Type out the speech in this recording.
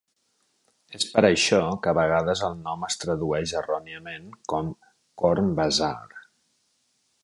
És per això que a vegades el nom es tradueix erròniament com "Corn Bazaar".